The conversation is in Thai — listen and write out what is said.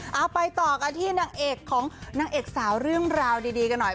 ยังไปต่อกันที่นางเอกสาวเรื่องราวดีกันหน่อย